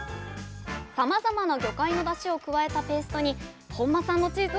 さまざまな魚介のだしを加えたペーストに本間さんのチーズを加えます